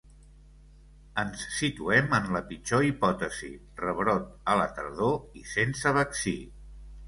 Ens situem en la pitjor hipòtesi: rebrot a la tardor i sense vaccí.